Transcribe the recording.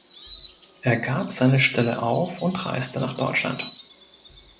Er gab seine Stelle auf und reiste nach Deutschland.